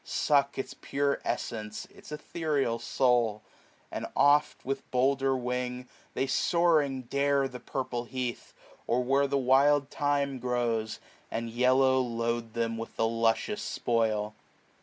Suck its pure essence^ its ethereal soul ; And oft, with bolder wing, they soaring dare 510 The purple heath, or where the wild thyme grows. And yellow load them with the luscious spoil.